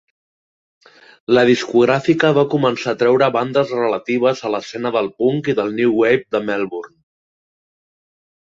La discogràfica va començar a treure bandes relatives a l'escena del punk i del new wave de Melbourne.